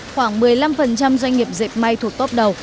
khoảng một mươi năm doanh nghiệp dệt may thuộc tốp đầu